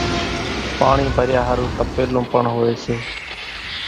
پاڻِي ڀريا ۿارُو تپيلون پڻ هوئيَ سي۔